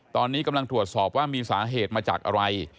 ตอนนี้กำลังตรวจสอบว่ามีสาเหตุมาจากอะไร